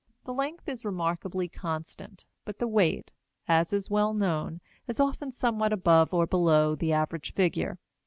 The length is remarkably constant; but the weight, as is well known, is often somewhat above or below the average figure.